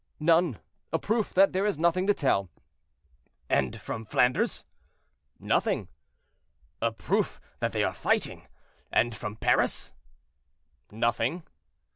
"None—a proof that there is nothing to tell." "And from Flanders?" "Nothing." "A proof that they are fighting. And from Paris?" "Nothing."